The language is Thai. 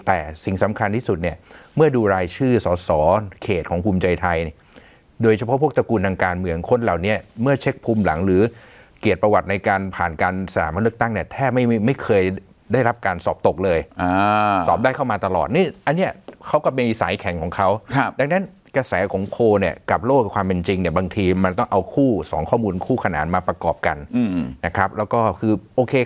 แต่สิ่งสำคัญที่สุดเนี่ยเมื่อดูรายชื่อสอดเขตของภูมิใจไทยโดยเฉพาะพวกตระกูลดังการเหมือนคนเหล่านี้เมื่อเช็คภูมิหลังหรือเกียรติประวัติในการผ่านการสถานการณ์เลือกตั้งเนี่ยแทบไม่เคยได้รับการสอบตกเลยสอบได้เข้ามาตลอดนี่อันเนี่ยเขาก็เป็นสายแข่งของเขาดังนั้นกระแสของโคลเนี่ยกับโล